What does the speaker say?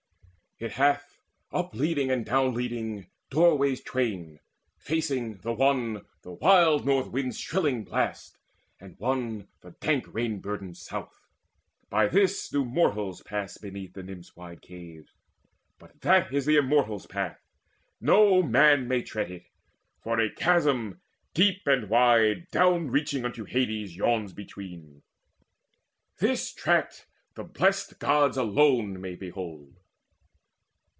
It hath, Up leading and down leading, doorways twain, Facing, the one, the wild North's shrilling blasts, And one the dank rain burdened South. By this Do mortals pass beneath the Nymphs' wide cave; But that is the Immortals' path: no man May tread it, for a chasm deep and wide Down reaching unto Hades, yawns between. This track the Blest Gods may alone behold.